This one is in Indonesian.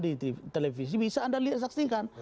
di televisi bisa anda saksikan